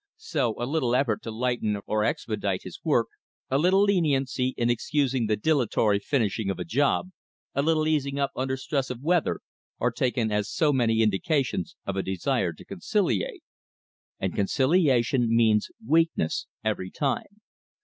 So a little effort to lighten or expedite his work, a little leniency in excusing the dilatory finishing of a job, a little easing up under stress of weather, are taken as so many indications of a desire to conciliate. And conciliation means weakness every time.